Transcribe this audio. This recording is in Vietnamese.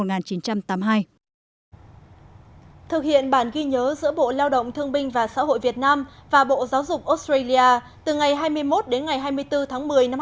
thực hiện bản ghi nhớ giữa bộ lao động thương binh và xã hội việt nam và bộ giáo dục australia từ ngày hai mươi một đến ngày hai mươi bốn tháng một mươi